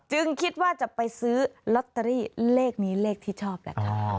คิดว่าจะไปซื้อลอตเตอรี่เลขนี้เลขที่ชอบแหละค่ะ